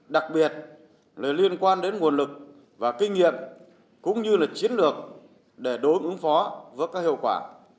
đặc biệt là liên quan đến nguồn lực và kinh nghiệm cũng như là chiến lược để đối ứng phó với các hiệu quả